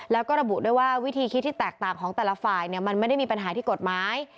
แล้วก็ระบุด้วยว่าวิธีคิดที่แตกต่างของแต่ละฝ่ายมันไม่ได้มีปัญหาที่กฎหมาย